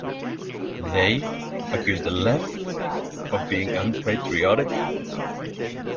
They accused the Left of being unpatriotic.